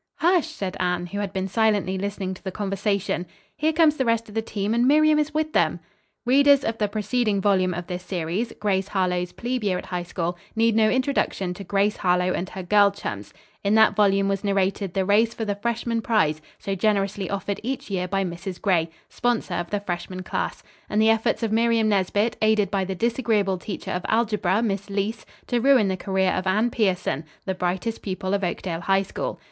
"Hush!" said Anne, who had been silently listening to the conversation. "Here comes the rest of the team, and Miriam is with them." Readers of the preceding volume of this series, "GRACE HARLOWE'S PLEBE YEAR AT HIGH SCHOOL," need no introduction to Grace Harlowe and her girl chums. In that volume was narrated the race for the freshman prize, so generously offered each year by Mrs. Gray, sponsor of the freshman class, and the efforts of Miriam Nesbit aided by the disagreeable teacher of algebra, Miss Leece, to ruin the career of Anne Pierson, the brightest pupil of Oakdale High School.